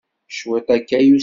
Cwiṭ akka, yusa-d.